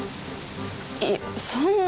いやそんな。